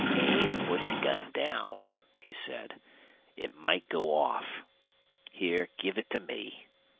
"Abe, put the gun down," he said. "It might go off. Here, give it to me.